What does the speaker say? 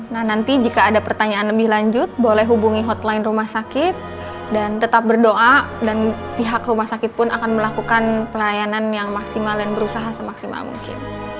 nah nanti jika ada pertanyaan lebih lanjut boleh hubungi hotline rumah sakit dan tetap berdoa dan pihak rumah sakit pun akan melakukan pelayanan yang maksimal dan berusaha semaksimal mungkin